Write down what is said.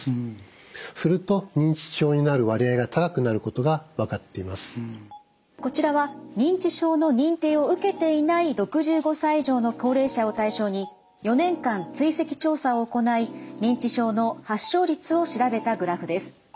こちらは認知症の認定を受けていない６５歳以上の高齢者を対象に４年間追跡調査を行い認知症の発症率を調べたグラフです。